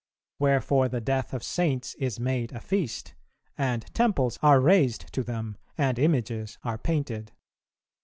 Wherefore the death of Saints is made a feast, and temples are raised to them, and Images are painted.